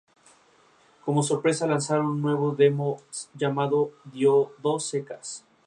La yihad continúa hasta que los judíos se retiren de Palestina.